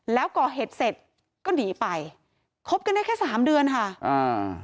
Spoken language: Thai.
แล้วก่อเหตุเสร็จก็หนีไปคบกันได้แค่สามเดือนค่ะอ่า